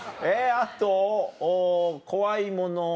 あと怖いもの？